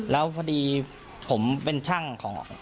แล้วพอดีผมเป็นช่างของ